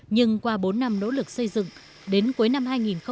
nhưng qua bốn năm nỗ lực xây dựng đến cuối năm hai nghìn một mươi tám